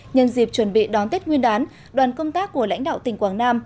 nhân dịp chuẩn bị đón tết nguyên đán đoàn công tác của lãnh đạo tỉnh quảng nam